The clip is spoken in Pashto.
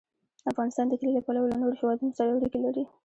افغانستان د کلي له پلوه له نورو هېوادونو سره اړیکې لري.